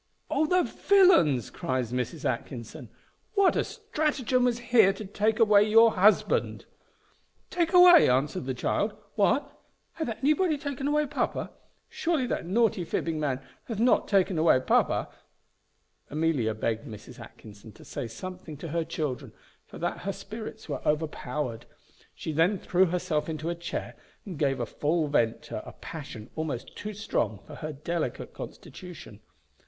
"O, the villains!" cries Mrs. Atkinson, "what a stratagem was here to take away your husband!" "Take away!" answered the child "What! hath anybody taken away papa? Sure that naughty fibbing man hath not taken away papa?" Amelia begged Mrs. Atkinson to say something to her children, for that her spirits were overpowered. She then threw herself into a chair, and gave a full vent to a passion almost too strong for her delicate constitution.